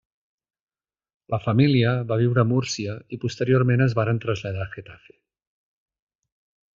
La família va viure a Múrcia i posteriorment es varen traslladar a Getafe.